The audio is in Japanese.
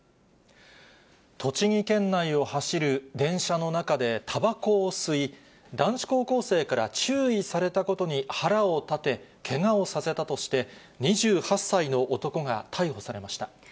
栃木県内を走る電車の中でたばこを吸い、男子高校生から注意されたことに腹を立て、けがをさせたとして、２８歳の男が逮捕されました。